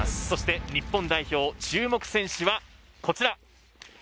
そして日本代表注目選手はこちら。